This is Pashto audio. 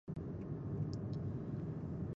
اود دوي درس ته به د ملک د لرې علاقو نه